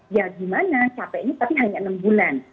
ya gimana capeknya tapi hanya enam bulan